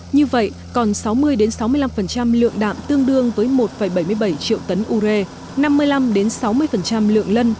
như vậy còn sáu mươi sáu mươi năm lượng đạm tương đương với một bảy mươi bảy triệu tấn ure năm mươi năm sáu mươi lượng lân